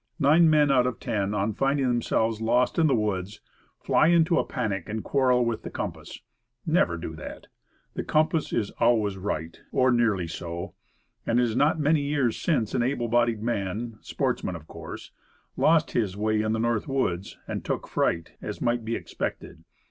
Nine men out of ten, on finding them selves lost in the woods, fly into a panic, and quarrel with the compass. Never do that. The compass is always right, or nearly so. It is not many years since an able bodied man sportsman of course lost his way in the North Woods, and took fright, as might be expected.